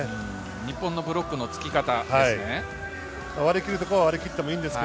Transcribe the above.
日本のブロックのつき方ですね。